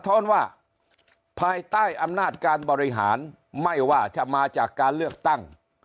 ้อนว่าภายใต้อำนาจการบริหารไม่ว่าจะมาจากการเลือกตั้ง